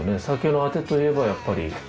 酒のあてと言えばやっぱり。